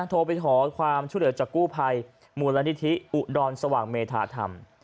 โทรไปขอความช่วยเหลือจากกู้ภัยมูลนิธิอุดรสว่างเมธาธรรม